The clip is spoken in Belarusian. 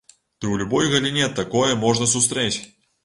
Ды ў любой галіне такое можна сустрэць!